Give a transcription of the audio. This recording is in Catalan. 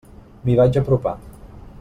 M'hi vaig apropar.